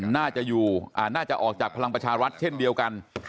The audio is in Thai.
น่าจะออกจากพลังประชารัฐเช่นเดียวกัน